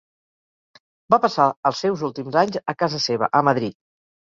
Va passar els seus últims anys a casa seva, a Madrid.